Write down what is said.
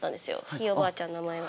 ひいおばあちゃんの名前が。